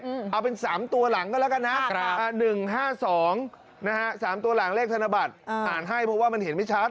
เอาเป็น๓ตัวหลังก็แล้วกันนะ๑๕๒นะฮะสามตัวหลังเลขธนบัตรอ่านให้เพราะว่ามันเห็นไม่ชัด